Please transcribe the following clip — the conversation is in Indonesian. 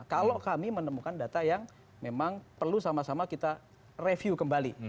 kalau kami menemukan data yang memang perlu sama sama kita review kembali